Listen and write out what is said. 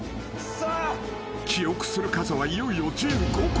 ［記憶する数はいよいよ１５個］